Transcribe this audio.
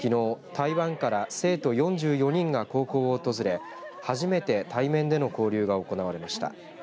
台湾から生徒４４人が高校を訪れ初めて対面の交流が行われました。